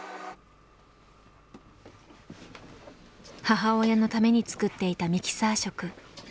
母親のために作っていたミキサー食。